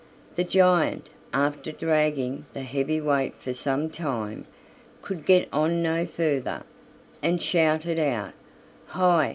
The giant, after dragging the heavy weight for some time, could get on no further, and shouted out: "Hi!